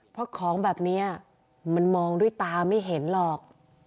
เพราะของแบบนี้มันมองด้วยตาไม่เห็นหรอก